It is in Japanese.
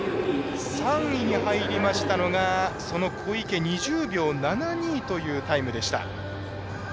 ３位に入りましたのが小池、２０秒７２というタイム。